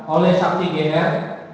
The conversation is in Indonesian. oleh saksi gr